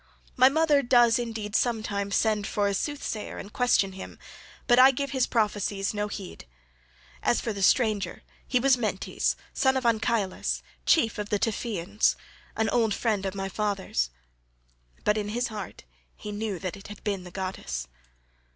My mother does indeed sometimes send for a soothsayer and question him, but I give his prophecyings no heed. As for the stranger, he was Mentes, son of Anchialus, chief of the Taphians, an old friend of my father's." But in his heart he knew that it had been the goddess.